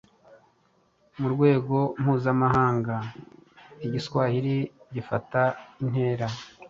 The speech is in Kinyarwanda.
Mu rwego mpuzamahanga, Igiswahili gifata intera